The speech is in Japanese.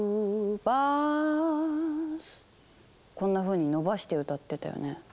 こんなふうに伸ばして歌ってたよね。